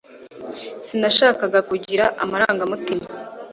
sinashakaga kugira amarangamutima